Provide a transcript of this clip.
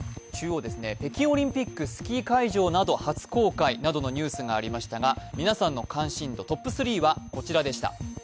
北京オリンピックスキー会場など初公開などのニュースがありましたが、皆さんの関心度トップ３はこちらでした。